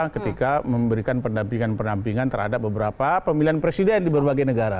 ketika memberikan pendampingan pendampingan terhadap beberapa pemilihan presiden di berbagai negara